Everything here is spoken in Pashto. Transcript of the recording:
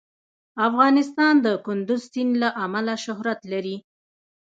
افغانستان د کندز سیند له امله شهرت لري.